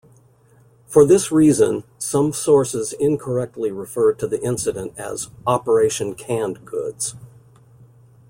For this reason, some sources incorrectly refer to the incident as "Operation Canned Goods".